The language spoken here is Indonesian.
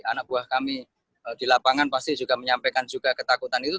anak buah kami di lapangan pasti juga menyampaikan juga ketakutan itu